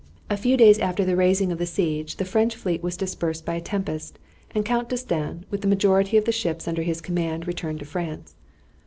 A few days after the raising of the siege the French fleet was dispersed by a tempest, and Count D'Estaing, with the majority of the ships under his command, returned to France.